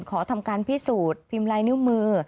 ขอทำการพิสูจน์พิมพ์ลายนิ้วมือ